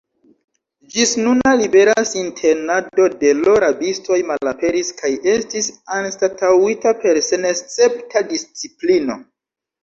Ĝisnuna libera sintenado de l' rabistoj malaperis kaj estis anstataŭita per senescepta disciplino.